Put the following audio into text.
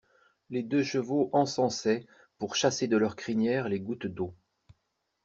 Les deux chevaux encensaient pour chasser de leurs crinières les gouttes d'eau.